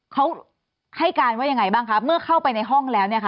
เขาให้การว่ายังไงบ้างคะเมื่อเข้าไปในห้องแล้วเนี่ยค่ะ